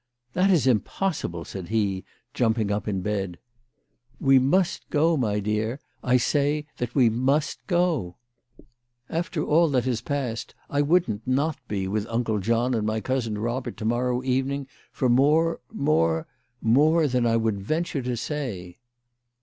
" That is impossible," said he, jumping up in bed. " We must go, my dear. I say that we must go. Q 226 CHRISTMAS AT THOMPSON HALL. After all that has passed I wouldn't not be with Uncle John and my cousin Robert to morrow evening for more, more, more than I would venture to say."